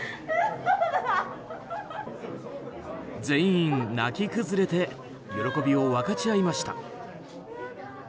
全員、泣き崩れて喜びを分かち合いました。